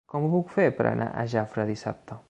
Com ho puc fer per anar a Jafre dissabte?